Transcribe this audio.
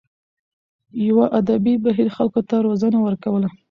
یوه ادبي بهیر خلکو ته روزنه ورکوله.